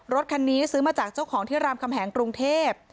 รถคันนี้ซื้อมาจากเจ้าของที่รามคำแหงกรุงเทพ